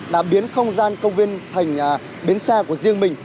là biến không gian công viên thành biến xa của riêng mình